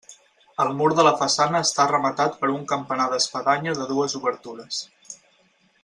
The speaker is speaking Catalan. El mur de la façana està rematat per un campanar d'espadanya de dues obertures.